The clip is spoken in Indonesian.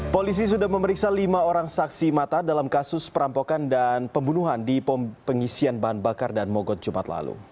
polisi sudah memeriksa lima orang saksi mata dalam kasus perampokan dan pembunuhan di pengisian bahan bakar dan mogot jumat lalu